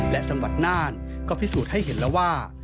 และจังหวัดน่านก็พิสูจน์ให้เห็นแล้วว่า